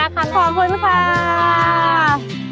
ไปค่ะน้องเอิ้นเดี๋ยวหนูมาสมัครงานนะคะ